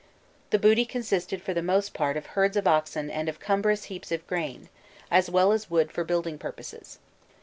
The booty consisted for the most part of herds of oxen and of cumbrous heaps of grain, as well as wood for building purposes.